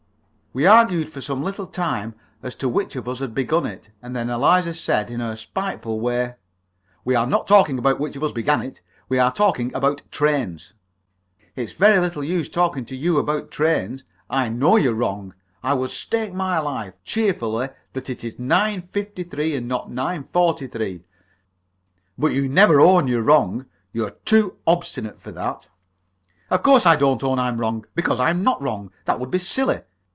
We argued for some little time as to which of us had begun it, and then Eliza said, in her spiteful way "We are not talking about which of us began it; we are talking about trains!" "It's very little use talking to you about trains. I know you're wrong! I would stake my life, cheerfully, that it is 9.53, and not 9.43. But you'd never own you're wrong; you're too obstinate for that!" "Of course I don't own I'm wrong, because I'm not wrong! That would be silly!"